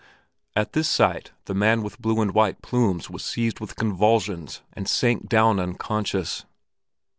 At this sight the man with blue and white plumes was seized with convulsions and sank down unconscious.